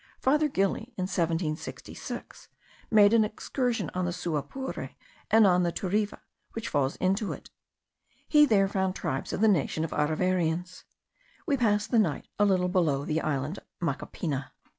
Father Gili, in 1766, made an excursion on the Suapure, and on the Turiva, which falls into it. He there found tribes of the nation of Areverians. We passed the night a little below the island Macapina.